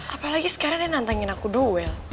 apalagi sekarang dia nantengin aku duel